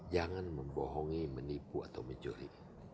jangan membohongi menipu atau mencuri